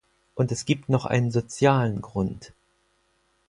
Und es gibt noch einen sozialen Grund.